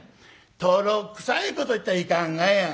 「とろくさいこと言ったらいかんがや。